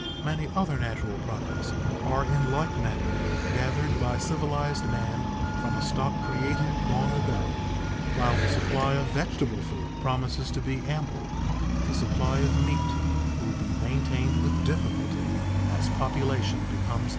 Many other natural products are in like manner gathered by civilized man from a stock created long ago. While the supply of vegetable food promises to be ample, the supply of meat will be maintained with difficulty as population becomes denser.